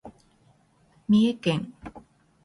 三重県